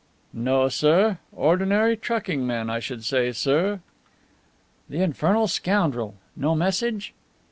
"No, sir. Ordinary trucking men, I should say, sir." "The infernal scoundrel! No message?"